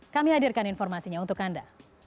kami hadirkan informasinya untuk anda